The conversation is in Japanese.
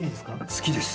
好きです。